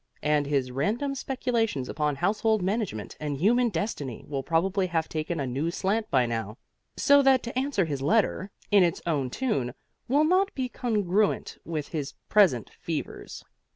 And his random speculations upon household management and human destiny will probably have taken a new slant by now, so that to answer his letter in its own tune will not be congruent with his present fevers.